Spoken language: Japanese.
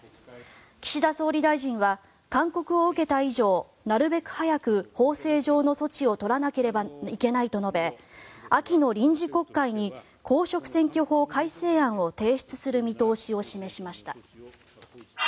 岸田総理大臣は勧告を受けた以上なるべく早く法制上の措置を取らなければいけないと述べ秋の臨時国会に公職選挙法改正案を提出する見通しを示しました。